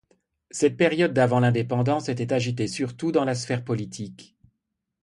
Cette période d'avant l'indépendance était agitée surtout dans la sphère politique.